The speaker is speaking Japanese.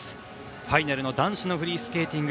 ファイナルの男子のフリースケーティング